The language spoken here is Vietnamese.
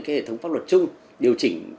hệ thống pháp luật chung điều chỉnh